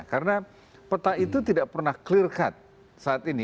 karena peta itu tidak pernah clear cut saat ini